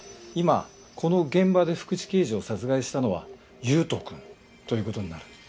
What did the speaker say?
今この現場で福知刑事を殺害したのは悠斗くんという事になる。